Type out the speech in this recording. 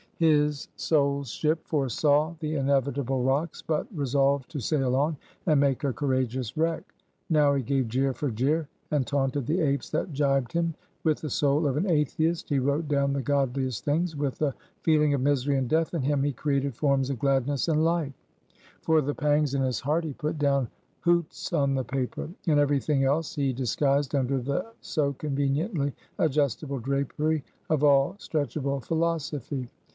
His soul's ship foresaw the inevitable rocks, but resolved to sail on, and make a courageous wreck. Now he gave jeer for jeer, and taunted the apes that jibed him. With the soul of an Atheist, he wrote down the godliest things; with the feeling of misery and death in him, he created forms of gladness and life. For the pangs in his heart, he put down hoots on the paper. And every thing else he disguised under the so conveniently adjustable drapery of all stretchable Philosophy.